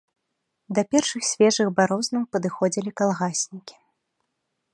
Да першых свежых барознаў падыходзілі калгаснікі.